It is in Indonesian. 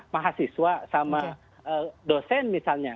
mahasiswa sama dosen misalnya